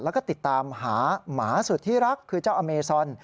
แล้วก็ติดตามหาหมาสุดที่รักคือเจ้าอเมซอน